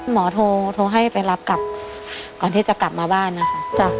หมอโทรให้ไปรับกลับก่อนที่จะกลับมาบ้านนะคะ